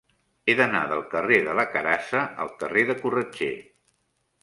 He d'anar del carrer de la Carassa al carrer de Corretger.